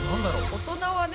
大人はね